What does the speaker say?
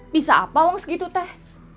bisa apa longs gitu teh